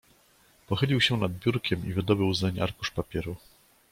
"Pochylił się nad biurkiem i wydobył zeń arkusz papieru."